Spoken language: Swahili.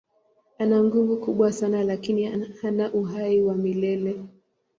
Ana nguvu kubwa sana lakini hana uhai wa milele.